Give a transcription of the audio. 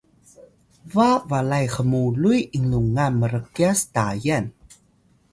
ba balay hmuluy inlungan mrkyas tayan